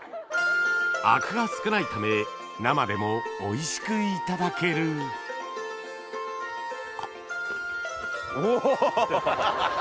アクが少ないため生でもおいしくいただけるうわハハハ！